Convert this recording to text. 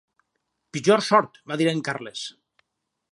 "Pitjor sort", va dir en Carles.